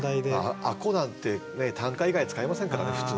「吾子」なんて短歌以外使いませんからね普通ね。